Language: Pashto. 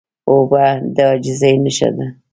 اوبه د عاجزۍ نښه ده.